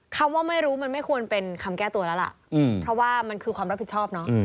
คำว่าไม่รู้มันไม่ควรเป็นคำแก้ตัวแล้วล่ะเพราะว่ามันคือความรับผิดชอบเนาะ